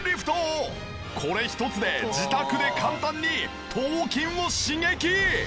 これ１つで自宅で簡単に頭筋を刺激。